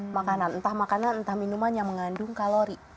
makanan entah makanan entah minuman yang mengandung kalori